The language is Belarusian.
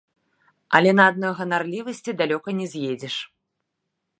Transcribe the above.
Але на адной ганарлівасці далёка не з'едзеш.